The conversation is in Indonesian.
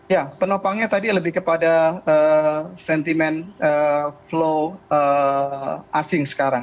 ya penopangnya tadi lebih kepada sentimen flow asing sekarang